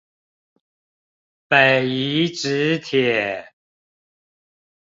北宜直鐵